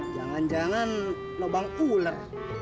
jangan jangan lobang ular